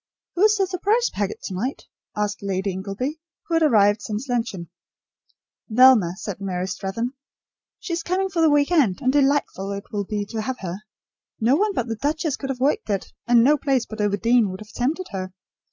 "Who is the surprise packet to night?" asked Lady Ingleby, who had arrived since luncheon. "Velma," said Mary Strathern. "She is coming for the week end, and delightful it will be to have her. No one but the duchess could have worked it, and no place but Overdene would have tempted her.